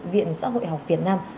viện xã hội học việt nam